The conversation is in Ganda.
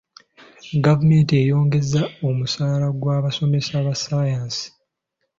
Gavumenti eyongezza omusaala gw'abasomesa ba saayansi.